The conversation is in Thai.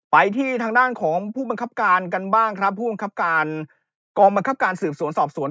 ไปที่ทางด้านของผู้บังคับการกันบ้างครับผู้บังคับการกองบังคับการสืบสวนสอบสวน